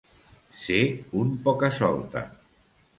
Ser un poca-solta.